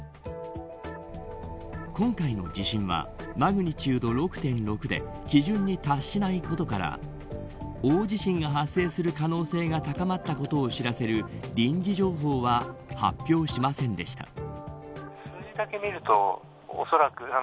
今回の地震はマグニチュード６．６で基準に達しないことから大地震が発生する可能性が高まったことを知らせる臨時情報は発表しませんでした。